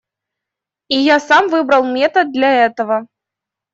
И я сам выбрал метод для этого.